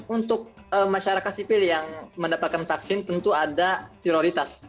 untuk masyarakat sipil yang mendapatkan vaksin tentu ada prioritas